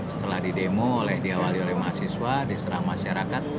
setelah di demo diawali oleh mahasiswa diserang masyarakat